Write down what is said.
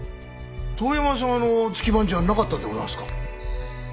遠山様の月番じゃなかったんでございますか？